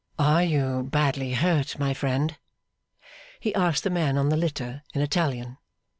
'Are you badly hurt, my friend?' he asked the man on the litter, in Italian.